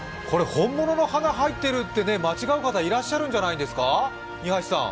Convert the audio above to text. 本物の花、入っているって間違う方いらっしゃるんじゃないですか？